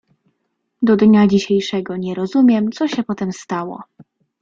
"Do dnia dzisiejszego nie rozumiem, co się potem stało."